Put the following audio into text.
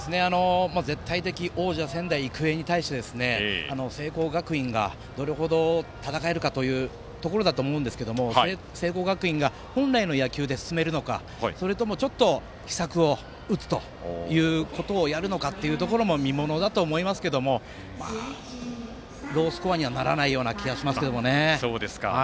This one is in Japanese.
絶対的王者の仙台育英に対して聖光学院がどれほど戦えるかというところだと思いますが聖光学院が本来の野球で進めるのかそれとも、ちょっと奇策を打つというところをやるのかということも見ものだと思いますがまあ、ロースコアにはならない気がしますね。